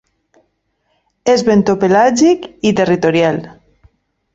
És bentopelàgic i territorial.